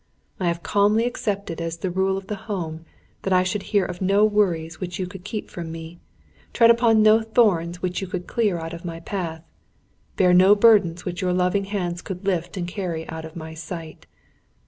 I have calmly accepted as the rule of the home, that I should hear of no worries which you could keep from me, tread upon no thorns which you could clear out of my path, bear no burdens which your loving hands could lift and carry out of sight.